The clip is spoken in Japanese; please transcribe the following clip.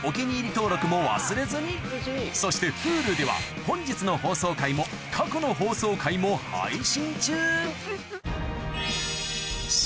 登録も忘れずにそしてＨｕｌｕでは本日の放送回も過去の放送回も配信中